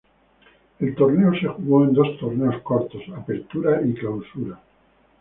El torneo se jugó en dos torneos cortos: Apertura y Clausura.